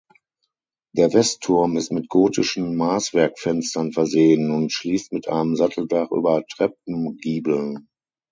Der Westturm ist mit gotischen Maßwerkfenstern versehen und schließt mit einem Satteldach über Treppengiebeln.